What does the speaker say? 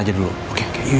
jadi lu ngapain